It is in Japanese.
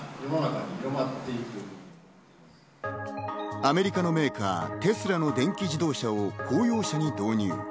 アメリカのメーカー・テスラの電気自動車を公用車に導入。